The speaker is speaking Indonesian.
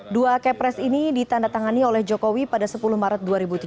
dua kepres ini ditandatangani oleh jokowi pada sepuluh maret dua ribu tujuh belas